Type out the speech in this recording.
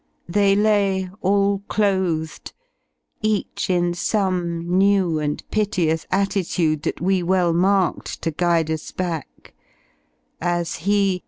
They lay, all clothed. Each m some new and piteous attitude That we well marked to guide us back: as he.